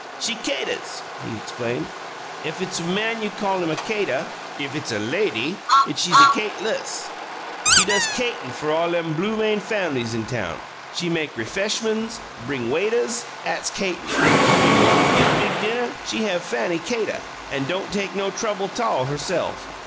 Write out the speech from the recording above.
"She kaytuhs," he explained. "Ef it's a man you call him kaytuh; ef it's a lady, she's a kaytliss. She does kaytun fer all lem blue vein fam'lies in town. She make ref'eshmuns, bring waituhs 'at's kaytun. You' maw give big dinnuh, she have Fanny kaytuh, an' don't take no trouble 'tall herself.